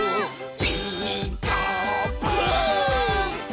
「ピーカーブ！」